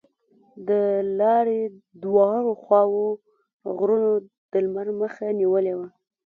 د لارې دواړو خواوو غرونو د لمر مخه نیولې وه.